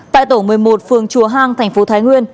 tại tổng một mươi một phường chùa hàng tp thái nguyên